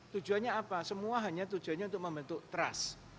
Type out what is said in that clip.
tujuannya apa semua hanya tujuannya untuk membentuk trust